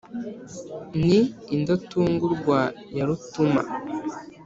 Ni indatungurwa ya Rutuma